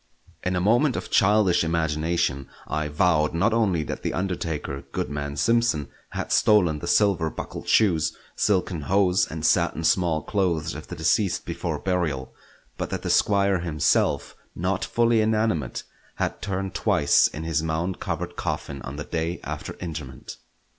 In a moment of childish imagination I vowed not only that the undertaker, Goodman Simpson, had stolen the silver buckled shoes, silken hose, and satin small clothes of the deceased before burial; but that the Squire himself, not fully inanimate, had turned twice in his mound covered coffin on the day after interment.